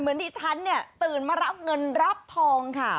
เหมือนที่ฉันเนี่ยตื่นมารับเงินรับทองค่ะ